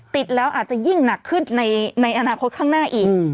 ติดแล้วอาจจะยิ่งหนักขึ้นในอนาคตข้างหน้าอีก